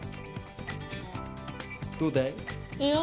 どうだい？